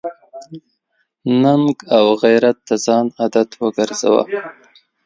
ننګ او غیرت د ځان عادت وګرځوه.